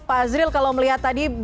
pak azril kalau melihat tadi